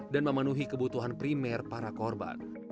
dan memenuhi kebutuhan primer para korban